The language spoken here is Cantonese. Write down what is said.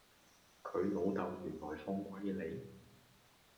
佢老豆原來放貴利